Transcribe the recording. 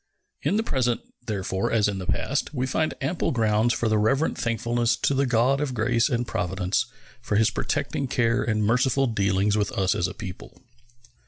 In the present, therefore, as in the past, we find ample grounds for reverent thankfulness to the God of grace and providence for His protecting care and merciful dealings with us as a people.